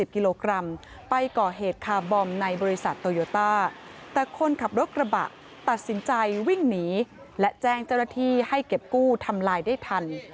กิโลกรัมไปก่อเหตุคาร์บอมในบริษัทโตโยต้าแต่คนขับรถกระบะตัดสินใจวิ่งหนีและแจ้งเจ้าหน้าที่ให้เก็บกู้ทำลายได้ทัน